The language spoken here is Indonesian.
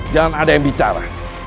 jangan ada yang bicara